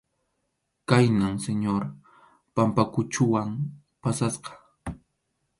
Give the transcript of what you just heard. Khaynam Señor Pampakʼuchuwan pasasqa.